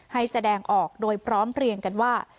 แสดงออกโดยพร้อมเพลียงกันว่า